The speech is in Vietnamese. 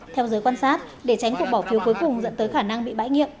theo giới quan sát để tránh cuộc bỏ phiếu cuối cùng dẫn tới khả năng bị bãi nhiệm